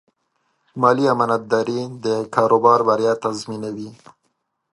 مالي امانتداري د کاروبار بریا تضمینوي.